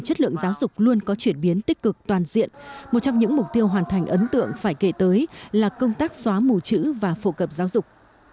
chất lượng giáo dục luôn có chuyển biến tích cực toàn diện một trong những mục tiêu hoàn thành ấn tượng phải kể tới là công tác xóa mù chữ và phổ cập giáo dục